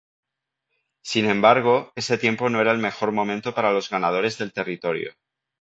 Sin embargo, ese tiempo no era el mejor momento para los ganaderos del territorio.